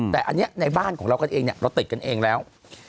แต่อันนี้ในบ้านของเรากันเองเราติดกันเองแล้ว